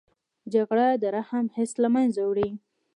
جګړه د رحم حس له منځه وړي